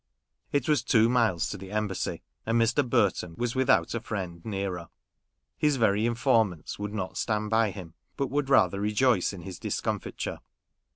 It was two miles to the Embassy, and Mr. Burton was without a friend nearer ; his very informants would not stand by him, but would rather rejoice in his discomfiture.